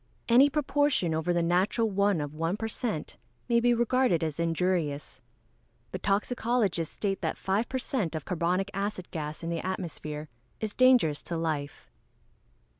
_ Any proportion over the natural one of 1 per cent. may be regarded as injurious. But toxicologists state that five per cent. of carbonic acid gas in the atmosphere is dangerous to life.